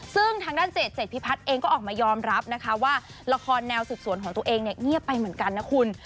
ซึ่งทางด้านเจดเจ็ดพิพัฒน์เองก็ออกมายอมรับนะคะว่าละครแนวสืบสวนของตัวเองเนี่ยเงียบไปเหมือนกันนะคุณ